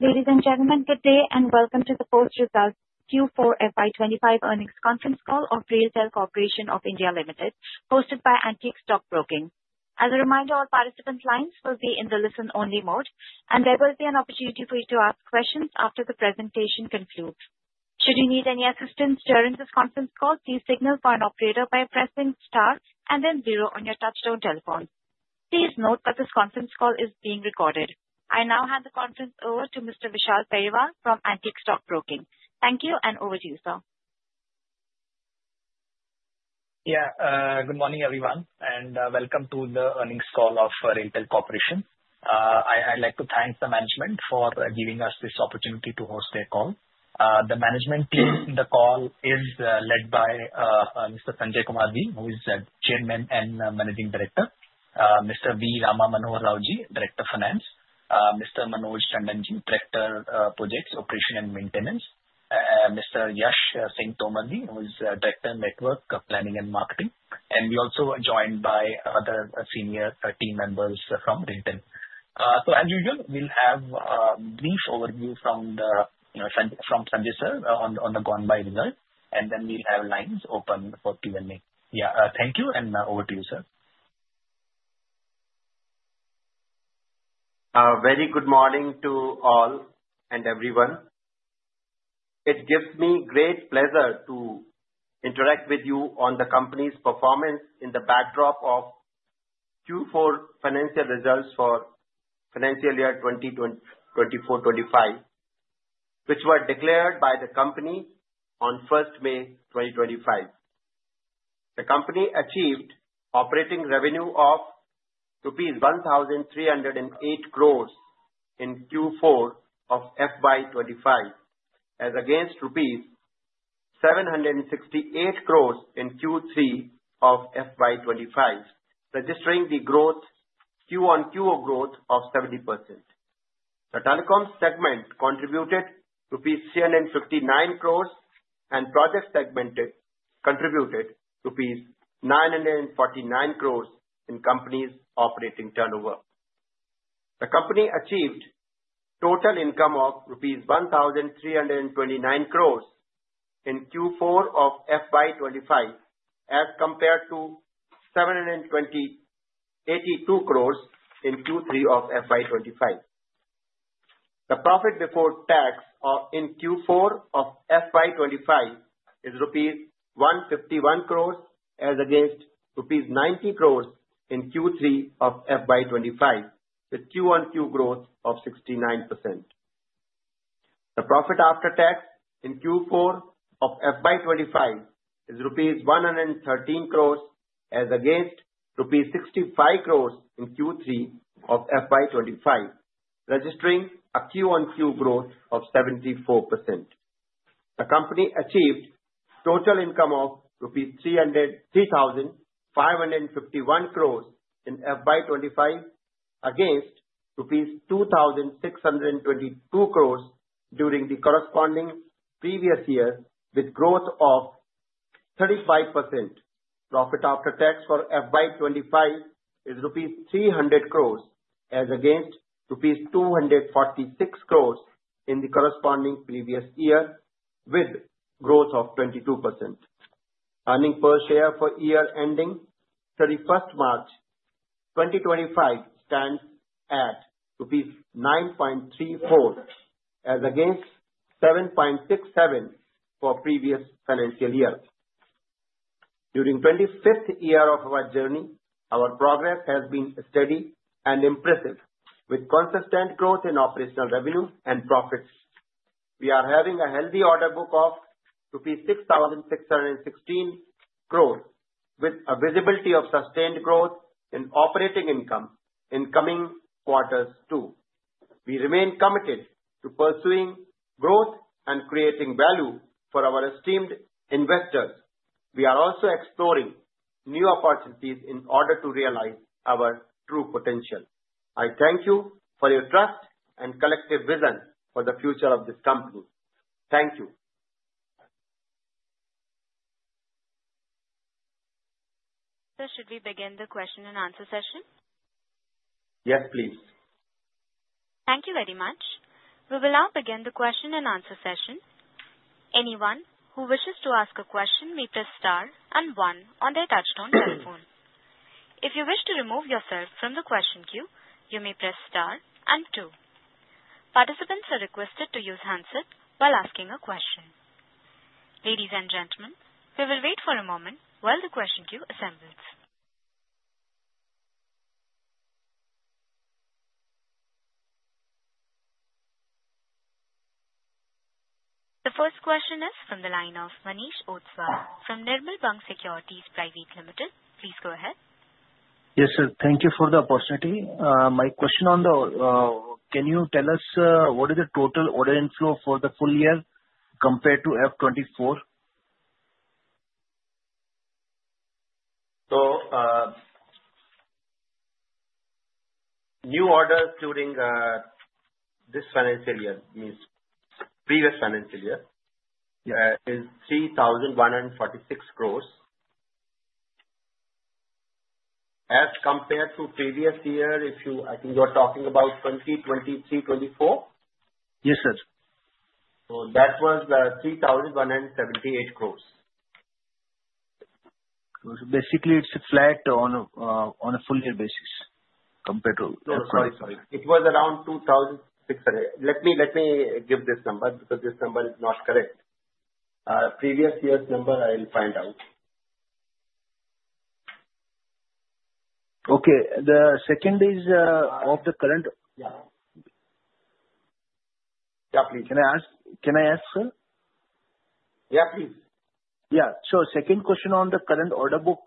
Ladies and gentlemen, good day and welcome to the post-result Q4 FY25 earnings conference call of RailTel Corporation of India Limited, hosted by Antique Stock Broking. As a reminder, all participants' lines will be in the listen-only mode, and there will be an opportunity for you to ask questions after the presentation concludes. Should you need any assistance during this conference call, please signal for an operator by pressing star and then zero on your touch-tone telephone. Please note that this conference call is being recorded. I now hand the conference over to Mr. Vishal Periwal from Antique Stock Broking. Thank you, and over to you, sir. Yeah, good morning, everyone, and welcome to the earnings call of RailTel Corporation. I'd like to thank the management for giving us this opportunity to host their call. The management team in the call is led by Mr. Sanjai Kumar, who is the Chairman and Managing Director. Mr. V. Rama Manohara Rao, Director of Finance. Mr. Manoj Tandon, Director of Projects, Operations, and Maintenance. Mr. Yashpal Singh Tomar, who is Director of Network Planning and Marketing. And we're also joined by other senior team members from RailTel. So, as usual, we'll have a brief overview from Sanjay, sir, on the gone-by results, and then we'll have lines open for Q&A. Yeah, thank you, and over to you, sir. Very good morning to all and everyone. It gives me great pleasure to interact with you on the company's performance in the backdrop of Q4 financial results for Financial Year 2024-25, which were declared by the company on 1st May 2025. The company achieved operating revenue of INR 1,308 crores in Q4 of FY25, as against INR 768 crores in Q3 of FY25, registering the Q on Q growth of 70%. The telecom segment contributed rupees 359 crores, and project segment contributed rupees 949 crores in company's operating turnover. The company achieved total income of rupees 1,329 crores in Q4 of FY25, as compared to 782 crores in Q3 of FY25. The profit before tax in Q4 of FY25 is rupees 151 crores, as against rupees 90 crores in Q3 of FY25, with Q on Q growth of 69%. The profit after tax in Q4 of FY25 is rupees 113 crores, as against rupees 65 crores in Q3 of FY25, registering a Q on Q growth of 74%. The company achieved total income of rupees 303,551 crores in FY25, against rupees 2,622 crores during the corresponding previous year, with growth of 35%. Profit after tax for FY25 is rupees 300 crores, as against rupees 246 crores in the corresponding previous year, with growth of 22%. Earnings per share for year ending 31st March 2025 stands at rupees 9.34, as against 7.67 for previous financial year. During the 25th year of our journey, our progress has been steady and impressive, with consistent growth in operational revenue and profits. We are having a healthy order book of 6,616 crores, with a visibility of sustained growth in operating income in coming quarters too. We remain committed to pursuing growth and creating value for our esteemed investors. We are also exploring new opportunities in order to realize our true potential. I thank you for your trust and collective vision for the future of this company. Thank you. Sir, should we begin the question and answer session? Yes, please. Thank you very much. We will now begin the question and answer session. Anyone who wishes to ask a question may press star and one on their touch-tone telephone. If you wish to remove yourself from the question queue, you may press star and two. Participants are requested to use handset while asking a question. Ladies and gentlemen, we will wait for a moment while the question queue assembles. The first question is from the line of Manish Ostwal from Nirmal Bang Securities Private Limited. Please go ahead. Yes, sir. Thank you for the opportunity. My question on the, can you tell us what is the total order inflow for the full year compared to FY24? So new orders during this financial year, means previous financial year, is 3,146 crores. As compared to previous year, if you I think you are talking about 2023-2024? Yes, sir. That was 3,178 crores. Basically, it's flat on a full-year basis compared to. Sorry, sorry. It was around 2,600. Let me give this number because this number is not correct. Previous year's number, I'll find out. Okay. The second is of the current. Yeah. Yeah, please. Can I ask? Can I ask, sir? Yeah, please. Yeah. So second question on the current order book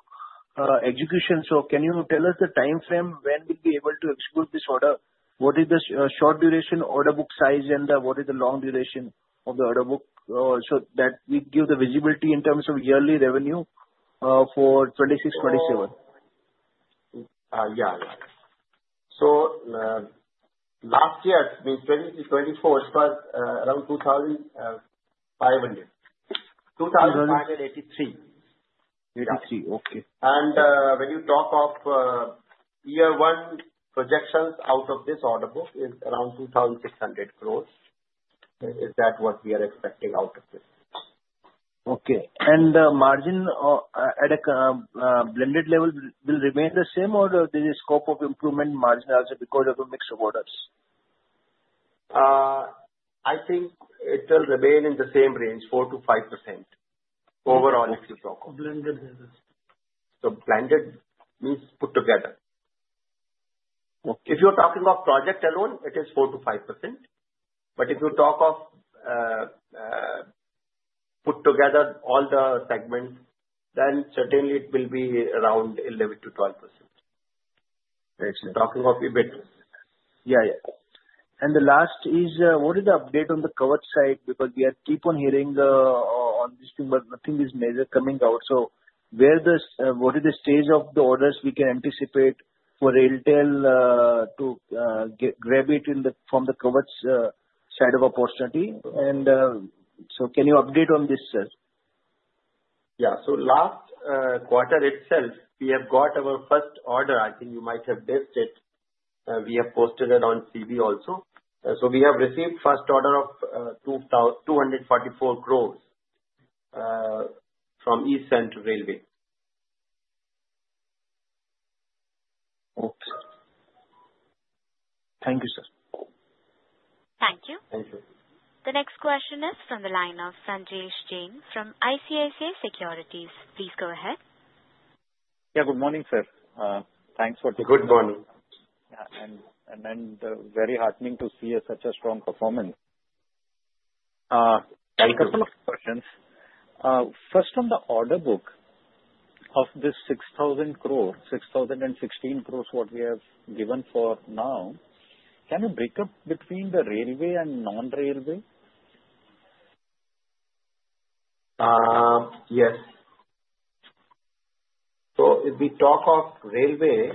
execution. So can you tell us the time frame when we'll be able to execute this order? What is the short-duration order book size, and what is the long-duration of the order book so that we give the visibility in terms of yearly revenue for 2026-2027? Yeah, yeah. So last year, I mean, 2024, it was around 2,500. 2,583. 2,583. Okay. When you talk of year-one projections out of this order book, it's around 2,600 crores. Is that what we are expecting out of this? Okay. And the margin at a blended level will remain the same, or does the scope of improvement margin also because of a mix of orders? I think it will remain in the same range, 4%-5% overall, if you talk of. Blended means put together. Okay. If you're talking of project alone, it is 4%-5%. But if you talk of put together all the segments, then certainly it will be around 11%-12%. Excellent. Talking of EBIT. Yeah, yeah. And the last is, what is the update on the Kavach side? Because we keep on hearing on this thing, but nothing is major coming out. So what is the stage of the orders we can anticipate for RailTel to grab it from the Kavach side of opportunity? And so can you update on this, sir? Yeah. So last quarter itself, we have got our first order. I think you might have noted it. We have posted it on BSE also. So we have received first order of 244 crores from East Central Railway. Okay. Thank you, sir. Thank you. Thank you. The next question is from the line of Sanjesh Jain from ICICI Securities. Please go ahead. Yeah, good morning, sir. Thanks for. Good morning. Yeah, and very heartening to see such a strong performance. Thank you so much. First, on the order book of this 6,000 crores, 6,016 crores what we have given for now, can you break up between the railway and non-railway? Yes. So if we talk of railway,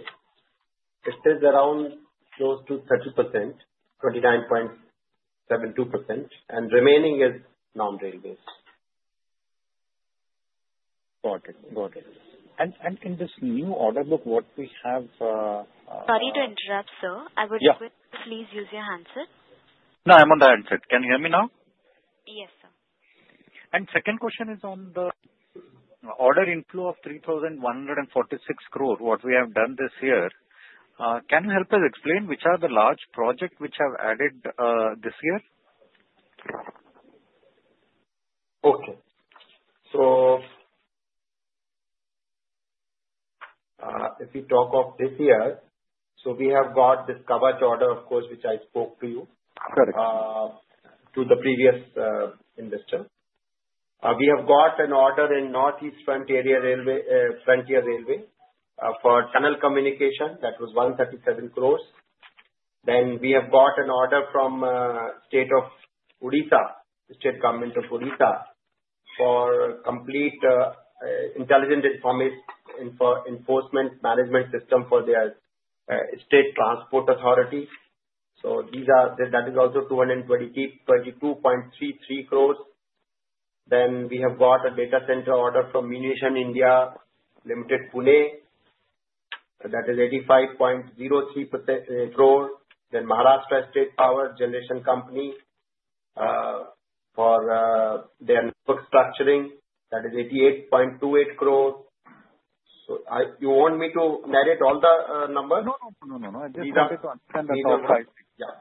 it is around close to 30%, 29.72%, and remaining is non-railways. Got it. Got it. And in this new order book, what we have. Sorry to interrupt, sir. I would. Yeah. Request you please use your handset. No, I'm on the handset. Can you hear me now? Yes, sir. And second question is on the order inflow of 3,146 crores, what we have done this year. Can you help us explain which are the large projects which have added this year? Okay. If we talk of this year, we have got this Kavach order, of course, which I spoke to you. Correct. To the previous investor. We have got an order in Northeast Frontier Railway for tunnel communication. That was 137 crores. Then we have got an order from State of Odisha, the State Government of Odisha, for complete intelligent enforcement management system for their State Transport Authority. So that is also 222.33 crores. Then we have got a data center order from Munitions India Limited, Pune. That is 85.03 crores. Then Maharashtra State Power Generation Company for their network structuring. That is 88.28 crores. So you want me to narrate all the numbers? No, no, no, no, no. I just wanted to understand the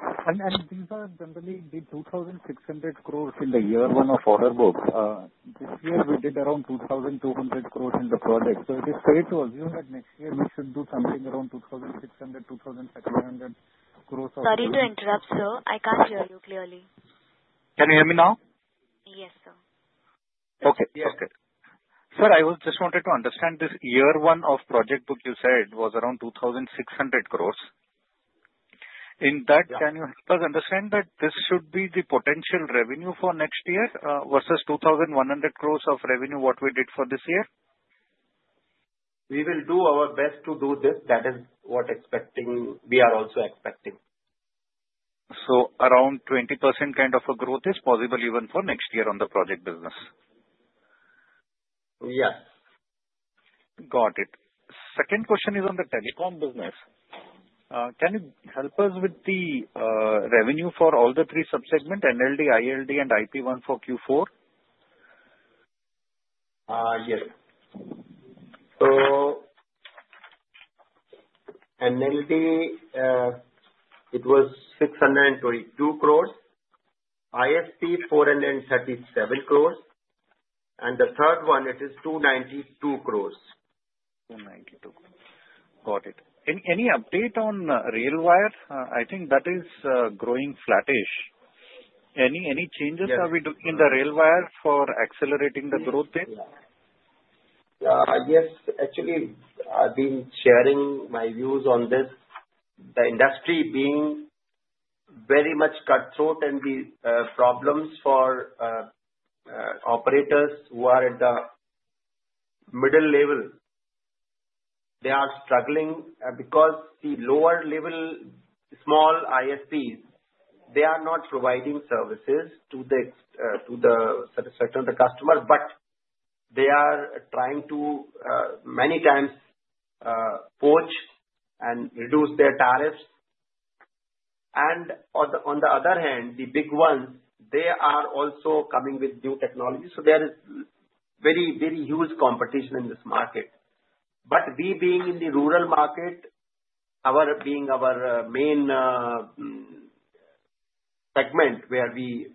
software. Yeah. These are generally the 2,600 crores in the year-one of order book. This year, we did around 2,200 crores in the project. So it is fair to assume that next year, we should do something around 2,600, 2,700 crores of. Sorry to interrupt, sir. I can't hear you clearly. Can you hear me now? Yes, sir. Okay. Sir, I just wanted to understand this year, the order book you said was around 2,600 crores. In that, can you help us understand that this should be the potential revenue for next year versus 2,100 crores of revenue what we did for this year? We will do our best to do this. That is what we are also expecting. Around 20% kind of a growth is possible even for next year on the project business? Yes. Got it. Second question is on the telecom business. Can you help us with the revenue for all the three sub-segments, NLD, ILD, and IP-1 for Q4? Yes. So NLD, it was 622 crores. ILD, 437 crores. And the third one, it is 292 crores. 292 crores. Got it. Any update on RailWire? I think that is growing flattish. Any changes are we doing in the RailWire for accelerating the growth there? Yes. Actually, I've been sharing my views on this. The industry being very much cutthroat, and the problems for operators who are at the middle level, they are struggling because the lower-level small ISPs, they are not providing services to the customer. But they are trying to many times poach and reduce their tariffs. And on the other hand, the big ones, they are also coming with new technology. So there is very, very huge competition in this market. But we being in the rural market, being our main segment where we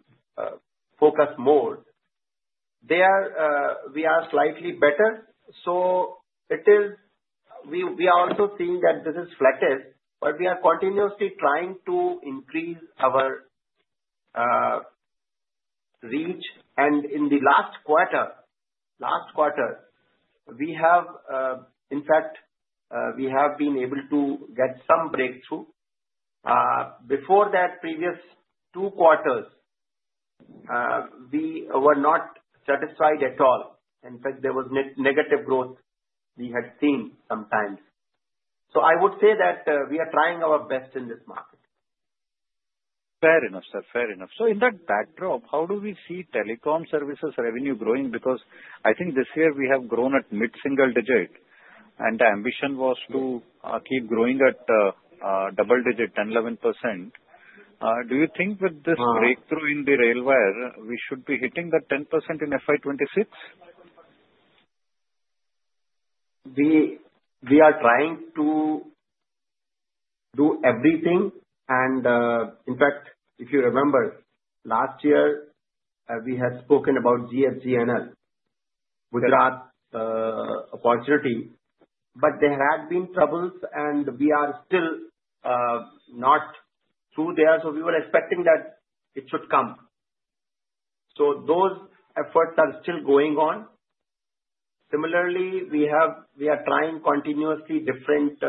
focus more, we are slightly better. So we are also seeing that this is flattish, but we are continuously trying to increase our reach. And in the last quarter, we have in fact, we have been able to get some breakthrough. Before that, previous two quarters, we were not satisfied at all. In fact, there was negative growth we had seen sometimes, so I would say that we are trying our best in this market. Fair enough, sir. Fair enough. So in that backdrop, how do we see telecom services revenue growing? Because I think this year, we have grown at mid-single digit, and the ambition was to keep growing at double digit, 10%, 11%. Do you think with this breakthrough in the RailWire, we should be hitting that 10% in FY26? We are trying to do everything. And in fact, if you remember, last year, we had spoken about GFGNL, Gujarat Opportunity. But there had been troubles, and we are still not through there. So we were expecting that it should come. So those efforts are still going on. Similarly, we are trying continuously different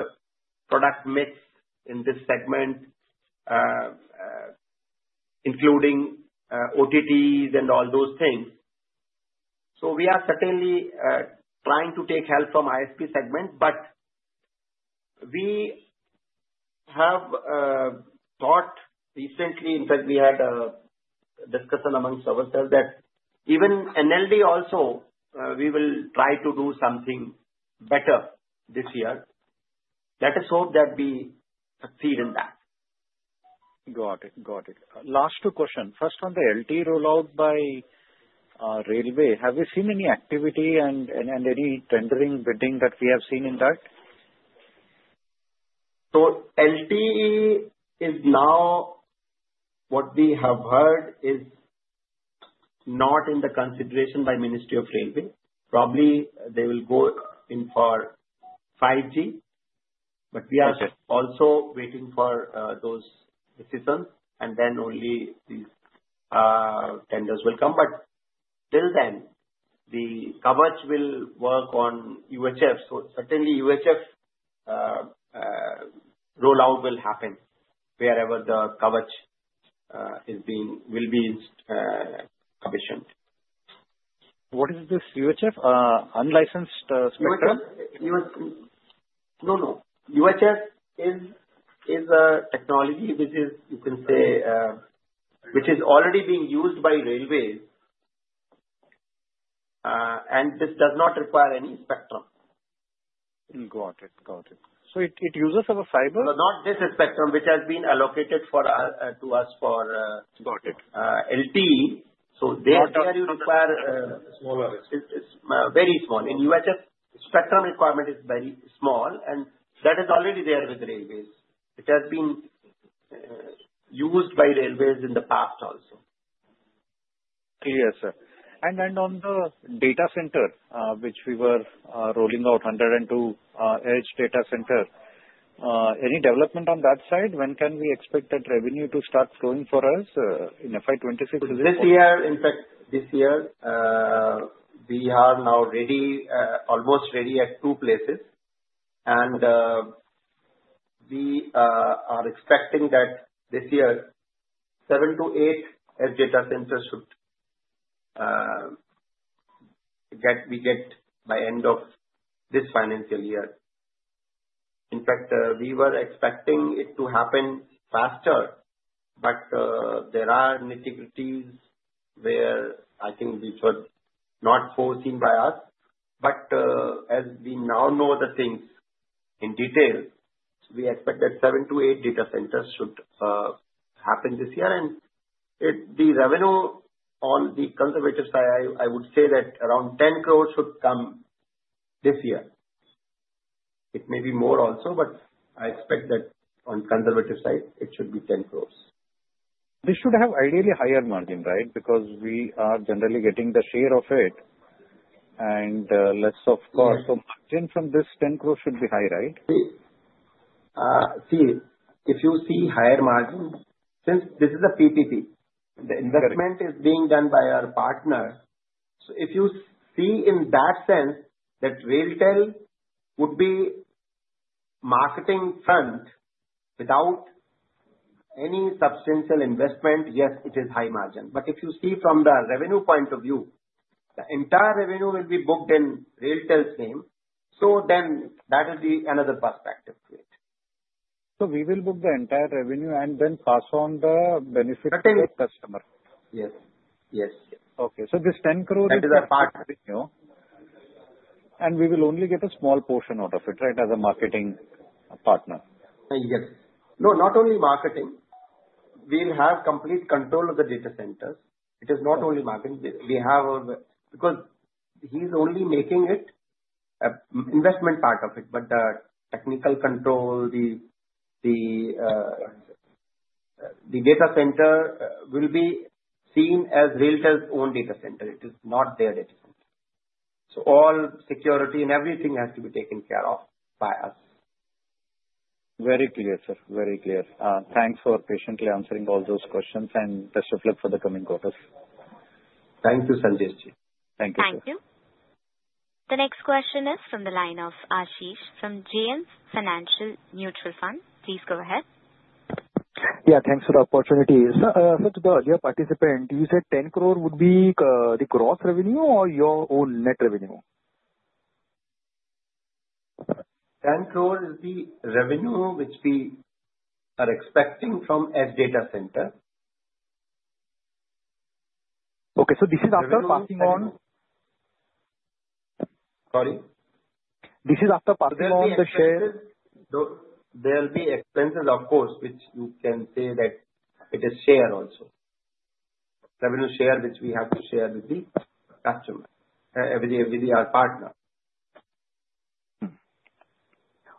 product mix in this segment, including OTTs and all those things. So we are certainly trying to take help from ISP segment. But we have thought recently in fact, we had a discussion amongst ourselves that even NLD also, we will try to do something better this year. Let us hope that we succeed in that. Got it. Got it. Last two questions. First, on the LTE rollout by railway, have we seen any activity and any tendering, bidding that we have seen in that? So LTE is now what we have heard is not in the consideration by Ministry of Railways. Probably they will go in for 5G. But we are also waiting for those decisions, and then only these tenders will come. But till then, the Kavach will work on UHF. So certainly, UHF rollout will happen wherever the Kavach will be commissioned. What is this UHF? Unlicensed spectrum? No, no. UHF is a technology which is, you can say, which is already being used by railways, and this does not require any spectrum. Got it. Got it. So it uses our fiber? Not this spectrum which has been allocated to us for LTE. So there you require. Smaller spectrum. Very small. In UHF, spectrum requirement is very small, and that is already there with railways. It has been used by railways in the past also. Yes, sir. And on the data center, which we were rolling out, 102 edge data center, any development on that side? When can we expect that revenue to start flowing for us in FY26? This year, in fact, this year, we are now almost ready at two places. We are expecting that this year, seven to eight edge data centers should we get by end of this financial year. In fact, we were expecting it to happen faster, but there are nitty-gritties where I think which were not foreseen by us. As we now know the things in detail, we expect that seven to eight data centers should happen this year. The revenue on the conservative side, I would say that around 10 crores should come this year. It may be more also, but I expect that on the conservative side, it should be 10 crores. This should have ideally higher margin, right? Because we are generally getting the share of it, and less, of course. So margin from this 10 crores should be high, right? See, if you see higher margin, since this is a PPP, the investment is being done by our partner. So if you see in that sense that RailTel would be marketing front without any substantial investment, yes, it is high margin. But if you see from the revenue point of view, the entire revenue will be booked in RailTel's name. So then that is another perspective to it. So we will book the entire revenue and then pass on the benefit to the customer. Yes. Yes. Okay. So this 10 crores. That is a part revenue. We will only get a small portion out of it, right, as a marketing partner? Yes. No, not only marketing. We'll have complete control of the data centers. It is not only marketing. Because he's only making it an investment part of it. But the technical control, the data center will be seen as RailTel's own data center. It is not their data center. So all security and everything has to be taken care of by us. Very clear, sir. Very clear. Thanks for patiently answering all those questions, and best of luck for the coming quarters. Thank you, Sanjay ji. Thank you, sir. Thank you. The next question is from the line of Ashish from JM Financial Mutual Fund. Please go ahead. Yeah. Thanks for the opportunity. Sir, to the earlier participant, you said ₹10 crores would be the gross revenue or your own net revenue? INR 10 crores is the revenue which we are expecting from edge data center. Okay, so this is after passing on. Sorry? This is after passing on the share. Expenses. There will be expenses, of course, which you can say that it is share also. Revenue share which we have to share with the customer, with our partner.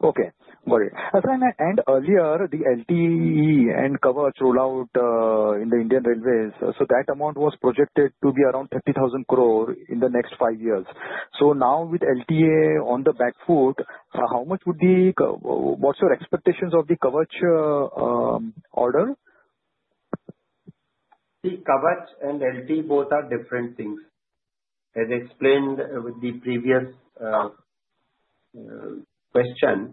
Okay. Got it. As mentioned earlier, the LTE and Kavach rollout in the Indian Railways, so that amount was projected to be around 30,000 crores in the next five years. So now with LTE on the back foot, what are your expectations of the Kavach order? See, Kavach and LTE both are different things. As explained with the previous question, Mr.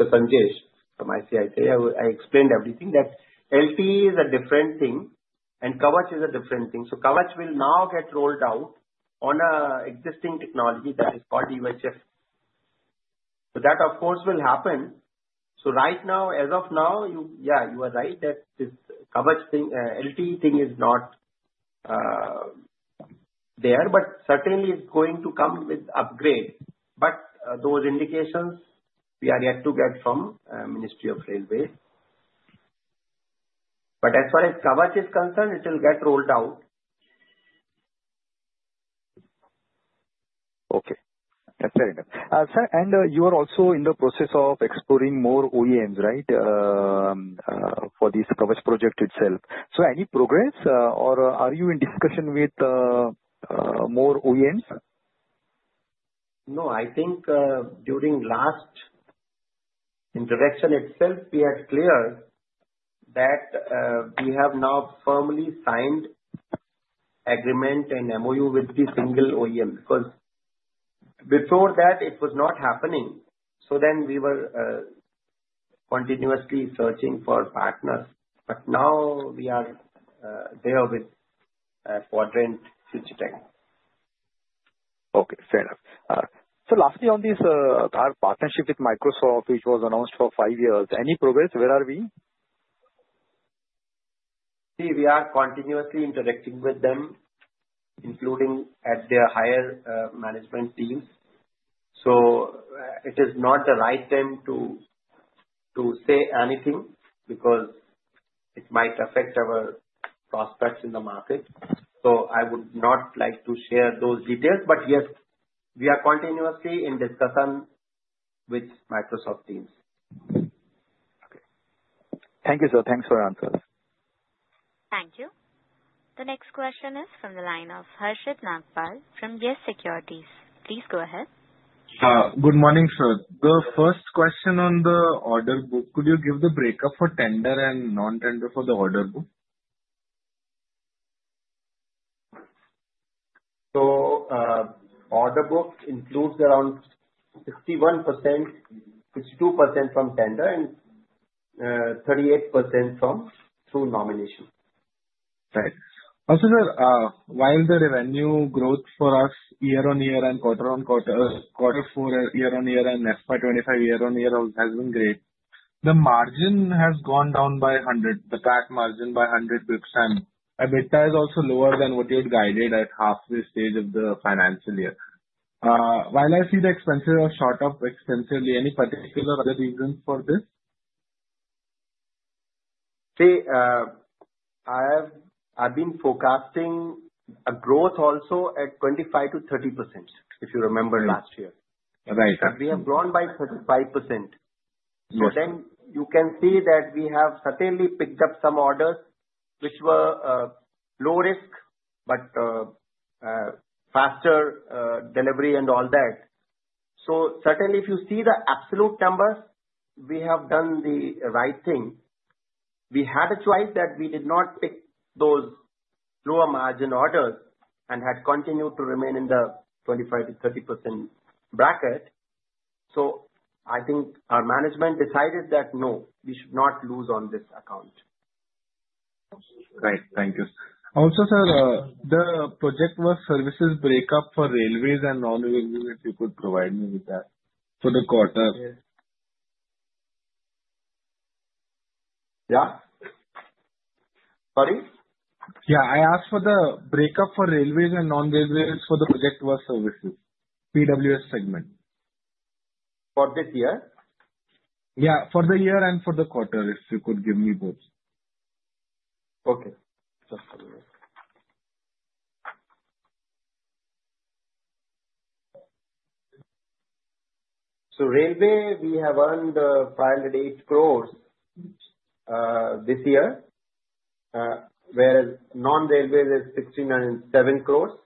Sanjesh from ICICI, I explained everything that LTE is a different thing and Kavach is a different thing. So Kavach will now get rolled out on an existing technology that is called UHF. So that, of course, will happen. So right now, as of now, yeah, you are right that this Kavach thing, LTE thing is not there, but certainly, it's going to come with upgrade. But those indications, we are yet to get from Ministry of Railways. But as far as coverage is concerned, it will get rolled out. Okay. That's very good. Sir, and you are also in the process of exploring more OEMs, right, for this Kavach project itself. So any progress, or are you in discussion with more OEMs? No. I think during last introduction itself, we had cleared that we have now firmly signed agreement and MoU with the single OEM. Because before that, it was not happening. So then we were continuously searching for partners. But now we are there with Quadrant Future Tek. Okay. Fair enough. So lastly, on this partnership with Microsoft, which was announced for five years, any progress? Where are we? See, we are continuously interacting with them, including at their higher management teams. So it is not the right time to say anything because it might affect our prospects in the market. So I would not like to share those details. But yes, we are continuously in discussion with Microsoft teams. Okay. Thank you, sir. Thanks for your answers. Thank you. The next question is from the line of Harshit Nagpal from YES Securities. Please go ahead. Good morning, sir. The first question on the order book, could you give the breakup for tender and non-tender for the order book? Order book includes around 61%, 62% from tender, and 38% from through nomination. Right. Also, sir, while the revenue growth for us year on year and quarter on quarter, quarter four year on year and FY25 year on year has been great, the margin has gone down by 100 basis points, the EBITDA margin by 100 basis points. EBITDA is also lower than what you had guided at halfway stage of the financial year. While I see the expenses are shot up extensively, any particular other reasons for this? See, I've been forecasting a growth also at 25%-30%, if you remember last year. Right. But we have grown by 35%. So then you can see that we have certainly picked up some orders which were low risk, but faster delivery and all that. So certainly, if you see the absolute numbers, we have done the right thing. We had a choice that we did not pick those lower margin orders and had continued to remain in the 25%-30% bracket. So I think our management decided that, no, we should not lose on this account. Right. Thank you. Also, sir, the project work services breakup for railways and non-railways, if you could provide me with that for the quarter. Yeah. Sorry? Yeah. I asked for the breakup for railways and non-railways for the project work services, PWS segment. For this year? Yeah. For the year and for the quarter, if you could give me both. Okay. Just a moment. So railway, we have earned 508 crores this year, whereas non-railways is 697 crores.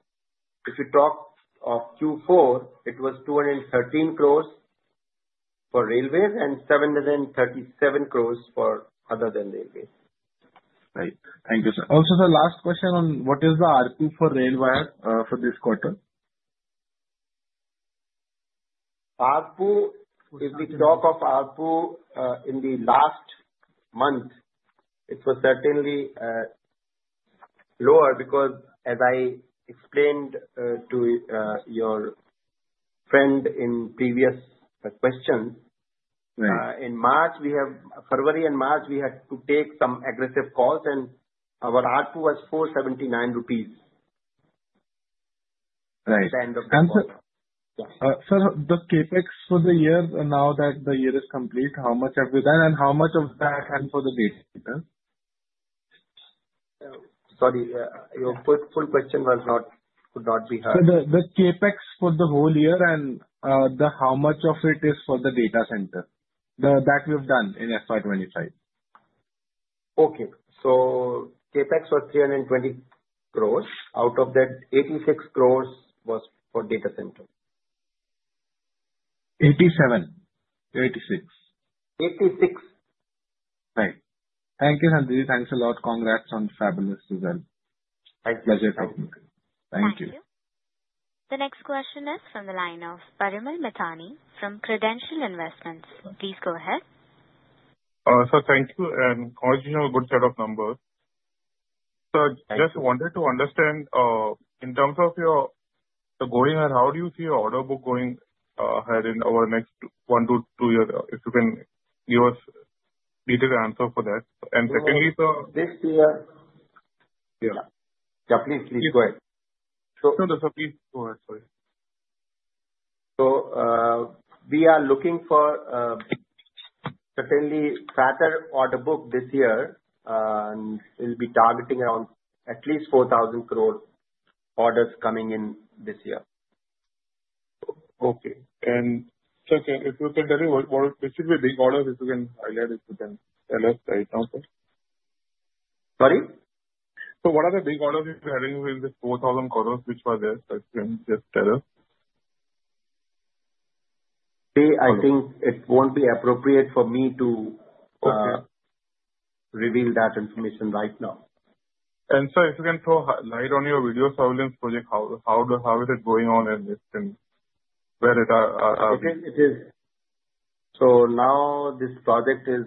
If you talk of Q4, it was 213 crores for railways and 737 crores for other than railways. Right. Thank you, sir. Also, sir, last question on what is the RPU for RailWire for this quarter? RPU, if we talk of RPU in the last month, it was certainly lower because, as I explained to your friend in previous question, in March, we have February and March, we had to take some aggressive calls, and our RPU was 479 rupees at the end of the quarter. Right. Sir, the CAPEX for the year, now that the year is complete, how much have we done and how much of that and for the data center? Sorry. Your full question could not be heard. Sir, the CAPEX for the whole year and how much of it is for the data center that we have done in FY25? Okay, so CapEx was 320 crores. Out of that, 86 crores was for data center. 87. 86. 86. Right. Thank you, Sanjay. Thanks a lot. Congrats on fabulous result. Thank you. Pleasure talking to you. Thank you. Thank you. The next question is from the line of Parimal Mithani from Credent Asset Management. Please go ahead. Sir, thank you. And as you know, a good set of numbers. Sir, just wanted to understand in terms of the going ahead, how do you see your order book going ahead in our next one to two years? If you can give us a detailed answer for that. And secondly, sir. This year. Yeah. Yeah. Please, please go ahead. No, sir, please go ahead. Sorry. We are looking for certainly fatter order book this year, and we'll be targeting around at least 4,000 crores orders coming in this year. Okay. And, sir, if you can tell me what are basically the big orders, if you can highlight, if you can tell us right now, sir? Sorry? So what are the big orders you're having within this 4,000 crores which were there? So if you can just tell us. See, I think it won't be appropriate for me to reveal that information right now. Sir, if you can throw light on your video surveillance project, how is it going on and where is it? Okay. It is. So now this project is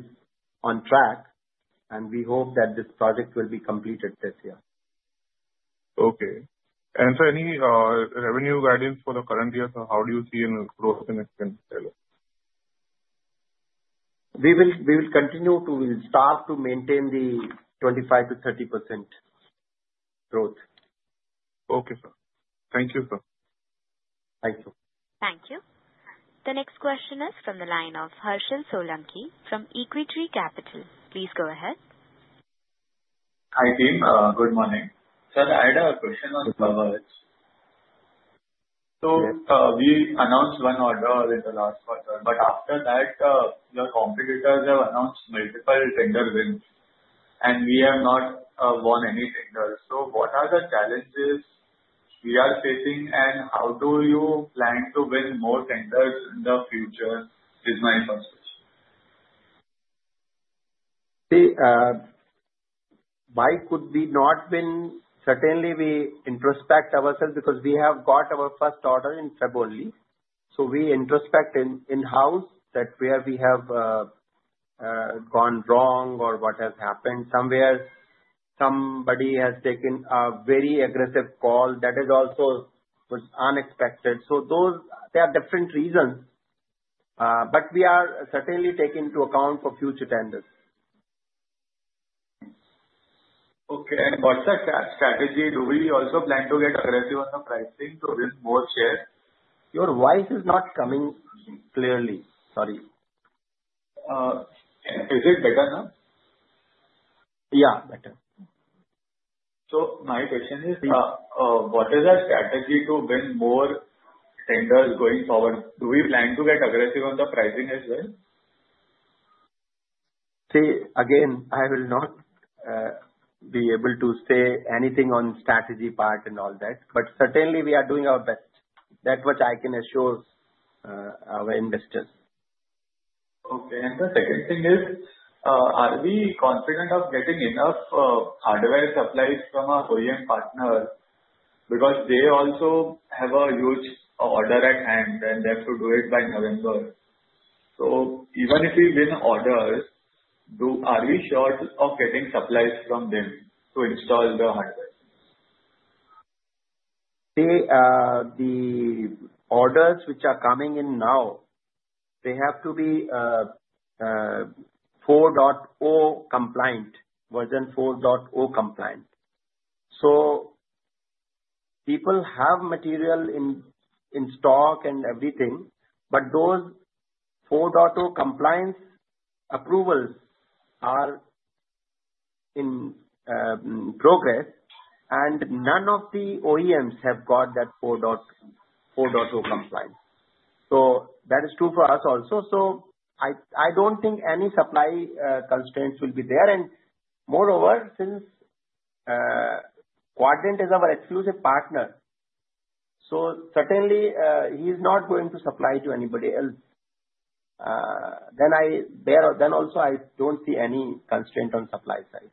on track, and we hope that this project will be completed this year. Okay, and sir, any revenue guidance for the current year, sir? How do you see in growth, and if you can tell us? We will continue to start to maintain the 25%-30% growth. Okay, sir. Thank you, sir. Thank you. Thank you. The next question is from the line of Harshil Solanki from Equitree Capital. Please go ahead. Hi, team. Good morning. Sir, I had a question on Kavach. So we announced one order in the last quarter, but after that, your competitors have announced multiple tender wins, and we have not won any tenders. So what are the challenges we are facing, and how do you plan to win more tenders in the future is my first question. See, why could we not win? Certainly, we introspect ourselves because we have got our first order in February. So we introspect in-house that where we have gone wrong or what has happened. Somewhere, somebody has taken a very aggressive call that is also unexpected. So there are different reasons, but we are certainly taking into account for future tenders. Okay, and what's the strategy? Do we also plan to get aggressive on the pricing to win more shares? Your voice is not coming clearly. Sorry. Is it better now? Yeah, better. So my question is, what is our strategy to win more tenders going forward? Do we plan to get aggressive on the pricing as well? See, again, I will not be able to say anything on strategy part and all that, but certainly, we are doing our best. That much I can assure our investors. Okay. And the second thing is, are we confident of getting enough hardware supplies from our OEM partners? Because they also have a huge order at hand, and they have to do it by November. So even if we win orders, are we sure of getting supplies from them to install the hardware? See, the orders which are coming in now, they have to be 4.0 compliant, version 4.0 compliant. So people have material in stock and everything, but those 4.0 compliance approvals are in progress, and none of the OEMs have got that 4.0 compliance. So that is true for us also. So I don't think any supply constraints will be there. And moreover, since Quadrant is our exclusive partner, so certainly, he is not going to supply to anybody else. Then also, I don't see any constraint on supply side.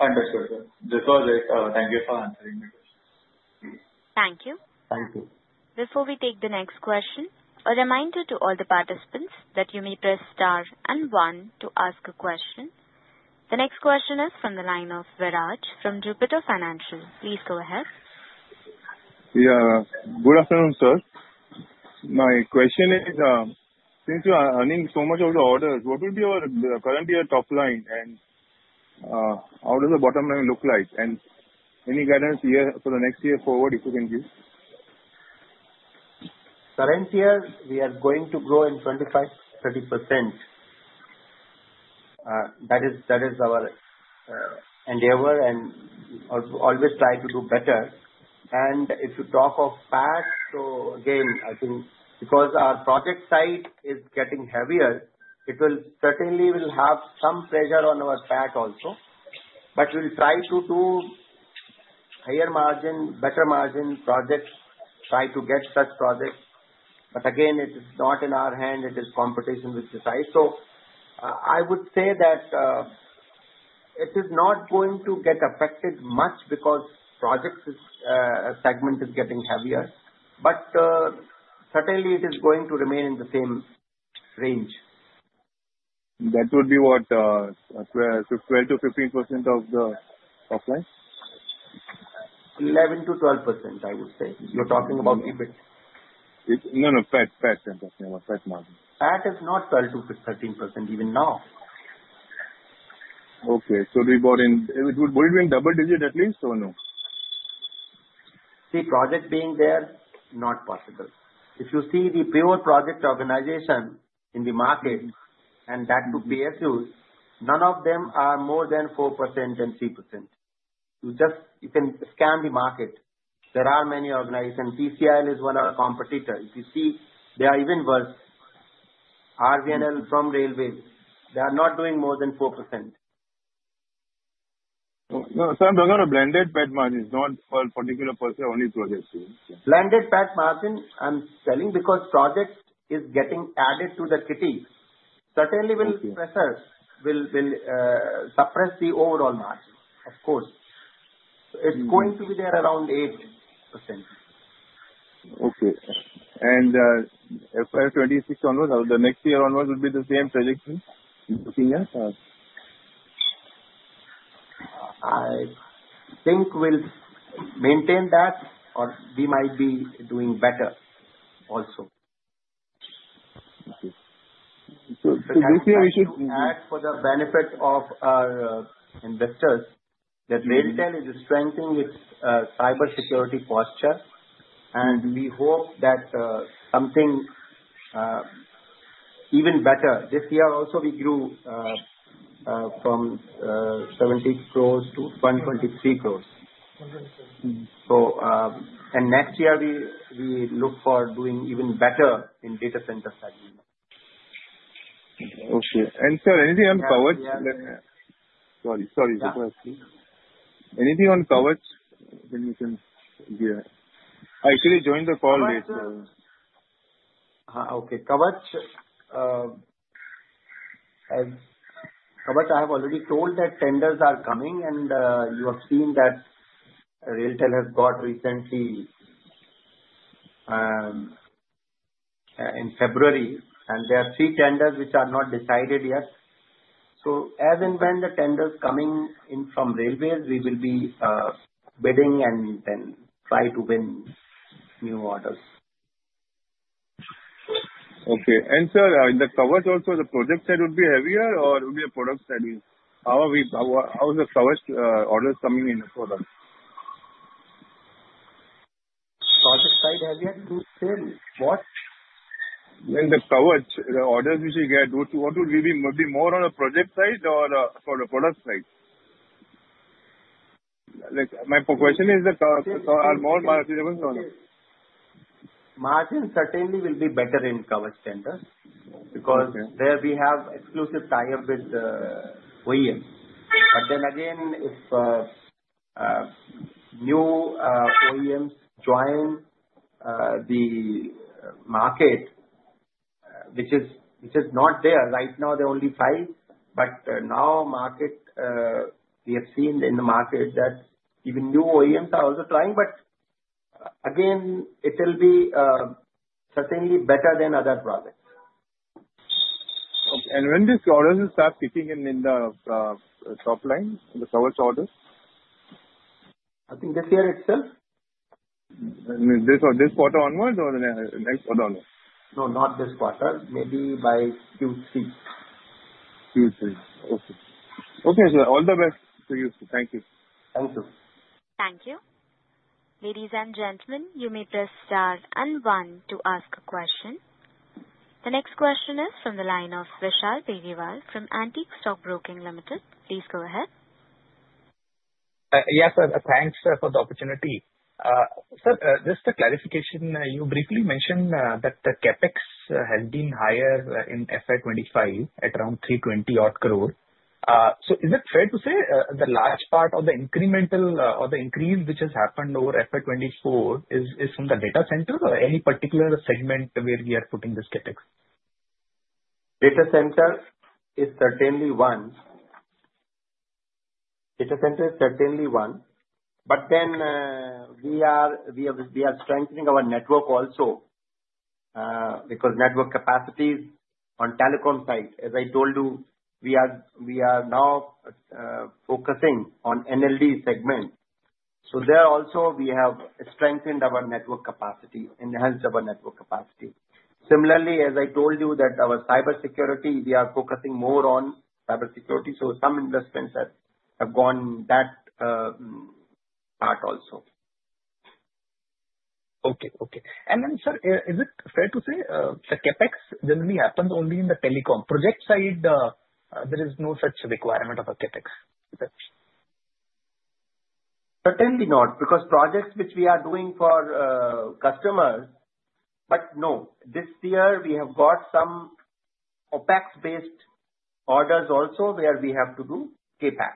Understood, sir. This was it. Thank you for answering my question. Thank you. Thank you. Before we take the next question, a reminder to all the participants that you may press star and one to ask a question. The next question is from the line of Viraj from Jupiter Financial. Please go ahead. Yeah. Good afternoon, sir. My question is, since you are earning so much of the orders, what will be your current year top line and how does the bottom line look like? And any guidance here for the next year forward, if you can give? Current year, we are going to grow in 25%-30%. That is our endeavor and always try to do better, and if you talk of PAT, so again, I think because our project side is getting heavier, it will certainly have some pressure on our PAT also. But we'll try to do higher margin, better margin projects, try to get such projects. But again, it is not in our hand. It is competition with the side. So I would say that it is not going to get affected much because project segment is getting heavier, but certainly, it is going to remain in the same range. That would be what? 12-15% of the top line? 11%-12%, I would say. You're talking about EBIT? No, no. PAT, PAT, I'm talking about PAT margin. PAT is not 12%-13% even now. Okay, so would it be doing double digit at least or no? See, project being there, not possible. If you see the pure project organization in the market and that too PSUs, none of them are more than 4% and 3%. You can scan the market. There are many organizations. TCIL is one of the competitors. If you see, they are even worse. RVNL from railways, they are not doing more than 4%. Sir, I'm talking about blended PAT margin, not for a particular project only. Blended PAT margin, I'm telling because project is getting added to the kitty, certainly will suppress the overall margin, of course. It's going to be there around 8%. Okay, and FY26 onwards, the next year onwards, would be the same trajectory you're looking at? I think we'll maintain that, or we might be doing better also. Okay. So this year, we should. We should add for the benefit of our investors that RailTel is strengthening its cybersecurity posture, and we hope that something even better. This year also, we grew from 78 crores to 123 crores. And next year, we look for doing even better in data center segment. Okay. And sir, anything on Kavach? Sorry, sorry. Anything on Kavach? Then you can give it. I actually joined the call late. Okay. Kavach, I have already told that tenders are coming, and you have seen that RailTel has got recently in February, and there are three tenders which are not decided yet. So as and when the tenders coming in from railways, we will be bidding and then try to win new orders. Okay. And sir, in the Kavach also, the project side would be heavier, or it would be the product side? How is the Kavach orders coming in for that? Project side heavier to sell what? In the coverage, the orders which you get, what would be more on the project side or for the product side? My question is, are more marginable? Margin certainly will be better in Kavach tenders because there we have exclusive tie-up with OEM. But then again, if new OEMs join the market, which is not there right now, they're only five. But now, we have seen in the market that even new OEMs are also trying, but again, it will be certainly better than other projects. Okay, and when these orders will start kicking in in the top line, the Kavach orders? I think this year itself. This quarter onwards or the next quarter onwards? No, not this quarter. Maybe by Q3. Q3. Okay. Okay, sir. All the best to you. Thank you. Thank you. Thank you. Ladies and gentlemen, you may press star and one to ask a question. The next question is from the line of Vishal Periwal from Antique Stock Broking Limited. Please go ahead. Yes, sir. Thanks for the opportunity. Sir, just a clarification. You briefly mentioned that the CapEx has been higher in FY25 at around 320 odd crores. So is it fair to say the large part of the incremental or the increase which has happened over FY24 is from the data center or any particular segment where we are putting this CapEx? Data center is certainly one. But then we are strengthening our network also because network capacity on telecom side, as I told you, we are now focusing on NLD segment. So there also, we have strengthened our network capacity, enhanced our network capacity. Similarly, as I told you, that our cybersecurity, we are focusing more on cybersecurity. So some investments have gone that part also. Okay. Okay. And then, sir, is it fair to say the CAPEX generally happens only in the telecom? Project side, there is no such requirement of a CAPEX? Certainly not, because projects which we are doing for customers, but no, this year we have got some OpEx-based orders also where we have to do CapEx,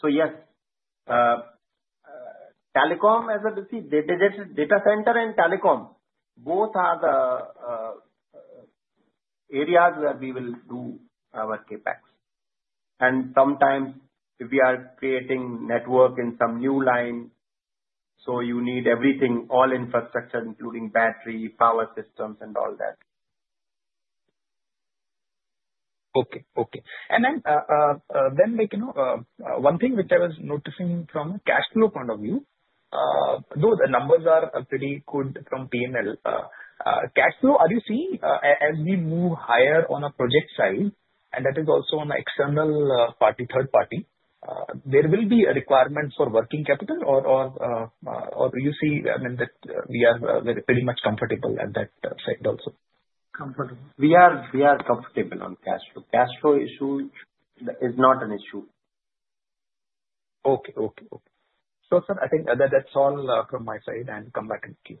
so yes, telecom, as I see, data center and telecom, both are the areas where we will do our CapEx, and sometimes, if we are creating network in some new line, so you need everything, all infrastructure, including battery, power systems, and all that. Okay. And then one thing which I was noticing from a cash flow point of view, though the numbers are pretty good from P&L, cash flow, are you seeing as we move higher on a project side, and that is also on an external party, third party, there will be a requirement for working capital, or do you see, I mean, that we are pretty much comfortable at that side also? Comfortable. We are comfortable on cash flow. Cash flow issue is not an issue. Okay. So, sir, I think that's all from my side. I'll come back and keep.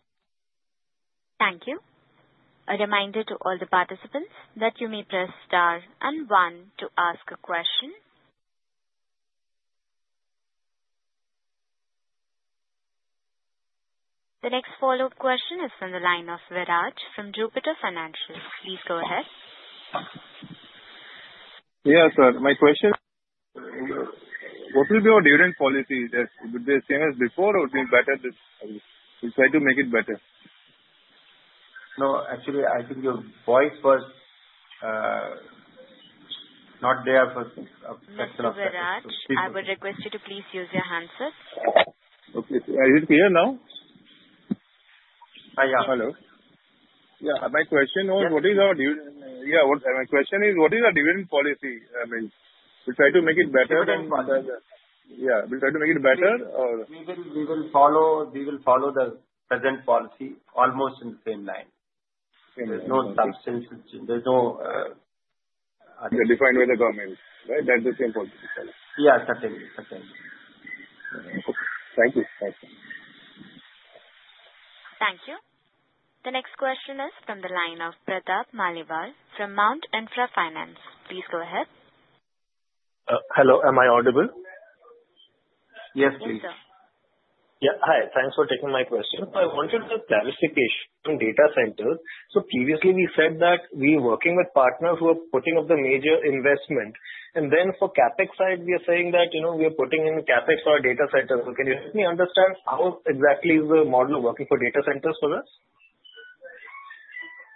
Thank you. A reminder to all the participants that you may press star and one to ask a question. The next follow-up question is from the line of Viraj from Jupiter Financial. Please go ahead. Yes, sir. My question is, what will be our dividend policy? Would be the same as before, or would be better? We'll try to make it better. No, actually, I think your voice was not there for. Thank you, Viraj. I would request you to please use your hand, sir. Okay. Is it clear now? Yeah. Hello. My question was, what is our dividend? My question is, what is our dividend policy? I mean, we'll try to make it better than others. We'll try to make it better, or? We will follow the present policy almost in the same line. There's no substance. There's no. Defined by the government, right? That's the same policy. Yeah, certainly. Certainly. Okay. Thank you. Thank you. Thank you. The next question is from the line of Pratap Maliwal from Mount Intra Finance. Please go ahead. Hello. Am I audible? Ye s, please. Yes, sir. Yeah. Hi. Thanks for taking my question. I wanted a clarification on data centers. So previously, we said that we are working with partners who are putting up the major investment. And then for CAPEX side, we are saying that we are putting in CAPEX for our data centers. So can you help me understand how exactly is the model of working for data centers for us?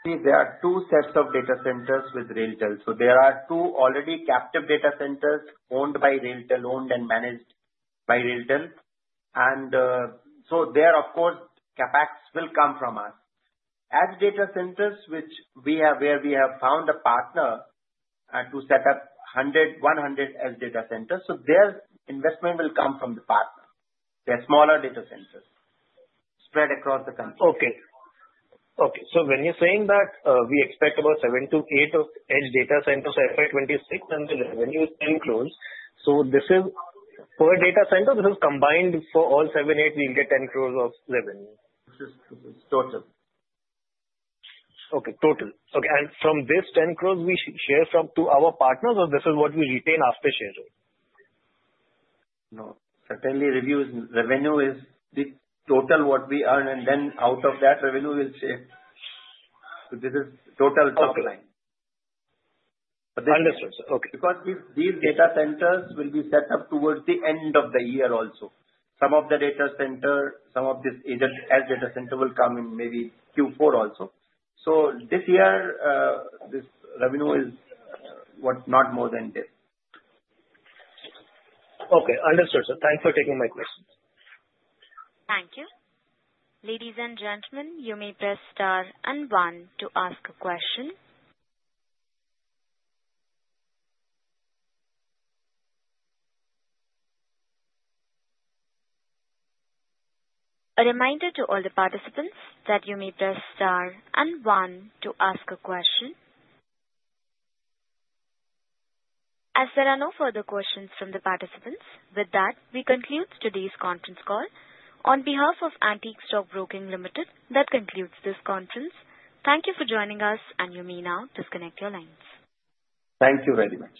There are two sets of data centers with RailTel. So there are two already captive data centers owned by RailTel, owned and managed by RailTel. And so there, of course, CAPEX will come from us. Edge data centers, which we have found a partner to set up 100 edge data centers. So their investment will come from the partner. They're smaller data centers spread across the country. Okay. So when you're saying that we expect about 7-8 of edge data centers for FI26 and the revenue is INR 10 crores, so this is per data center, this is combined for all 7-8, we'll get 10 crores of revenue. Which is total. And from this 10 crores, we share to our partners, or this is what we retain after sharing? No. Certainly, revenue is the total what we earn, and then out of that revenue we'll share. So this is total top line. Understood. Okay. Because these data centers will be set up towards the end of the year also. Some of the data center, some of this edge data center will come in maybe Q4 also. So this year, this revenue is not more than this. Okay. Understood, sir. Thanks for taking my question. Thank you. Ladies and gentlemen, you may press star and one to ask a question. A reminder to all the participants that you may press star and one to ask a question. As there are no further questions from the participants, with that, we conclude today's conference call. On behalf of Antique Stock Broking Limited, that concludes this conference. Thank you for joining us, and you may now disconnect your lines. Thank you very much.